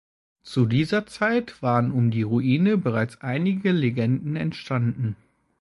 Zu dieser Zeit waren um die Ruine bereits einige Legenden entstanden.